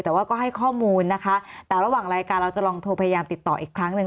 แต่ว่าก็ให้ข้อมูลนะคะแต่ระหว่างรายการเราจะลองโทรพยายามติดต่ออีกครั้งหนึ่ง